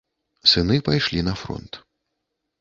Сыны пайшлі на фронт.